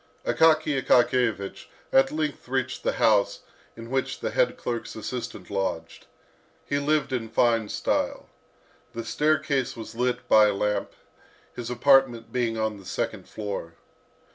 Akaky Akakiyevich at length reached the house in which the head clerk's assistant lodged. He lived in fine style. The staircase was lit by a lamp, his apartment being on the second floor.